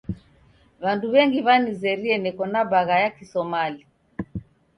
W'andu w'engi w'anizerie neko na bagha ya kiSomali.